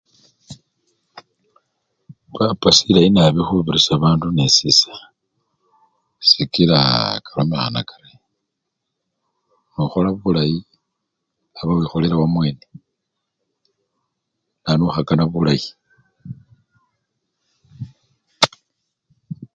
"Papa silayi nabi khubirisya bandu nesisa sikila kalomanga kari ""nokhola bulayi aba wikholela wamwene"" nanu okhakana bulayi?."